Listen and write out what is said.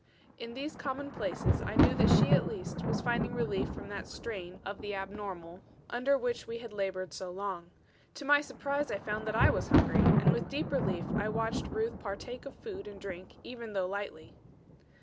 In these commonplaces I knew that she at least was finding relief from that strain of the abnormal under which we had labored so long. To my surprise I found that I was hungry, and with deep relief I watched Ruth partake of food and drink even though lightly.